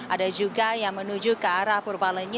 ada juga yang menuju ke arah purbalenyi